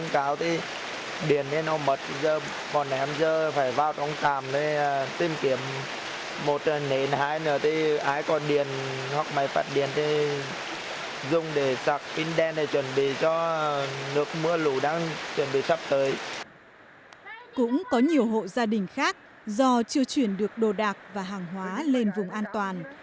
cũng có nhiều hộ gia đình khác do chưa chuyển được đồ đạc và hàng hóa lên vùng an toàn